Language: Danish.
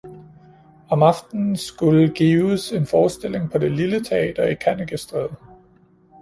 Om aftnen skulle gives en forestilling på det lille teater i Kannikestræde.